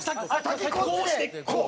先こうしてこう。